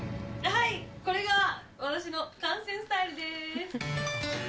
これが、私の観戦スタイルです。